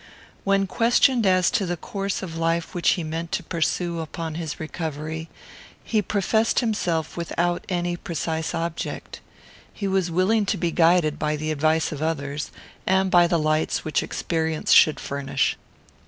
When questioned as to the course of life which he meant to pursue upon his recovery, he professed himself without any precise object. He was willing to be guided by the advice of others, and by the lights which experience should furnish.